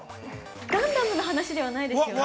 ◆ガンダムの話ではないですよね。